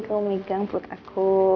kamu megang pelut aku